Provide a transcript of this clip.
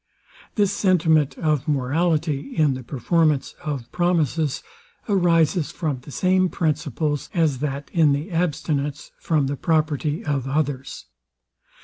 This sentiment of morality, in the performance of promises, arises from the same principles as that in the abstinence from the property of others.